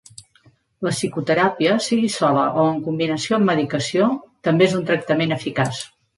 La psicoteràpia, sigui sola o en combinació amb medicació, també és un tractament eficaç.